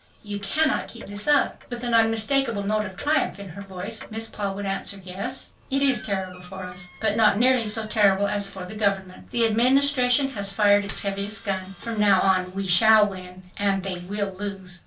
You cannot keep this up!" With an unmistakable note of triumph in her voice Miss Paul would answer, "Yes, it is terrible for us, but not nearly so terrible as for the government. The Administration has fired its heaviest gun. From now on we shall win and they will lose."